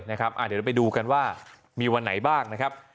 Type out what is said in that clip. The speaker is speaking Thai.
เดี๋ยวไปดูกันว่ามีวันไหนบ้างนะครับ